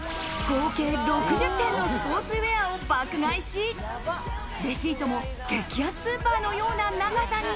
合計６０点のスポーツウエアを爆買いし、レシートも激安スーパーのような長さに。